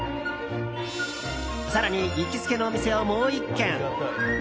更に行きつけのお店をもう１軒。